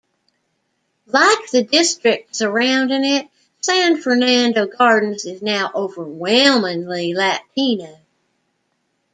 Like the district surrounding it, San Fernando Gardens is now overwhelmingly Latino.